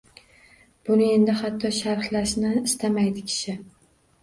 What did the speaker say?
Buni endi hatto sharhlashni istamaydi kishi